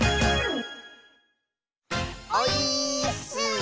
オイーッス！